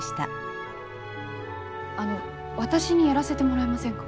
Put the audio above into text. あの私にやらせてもらえませんか？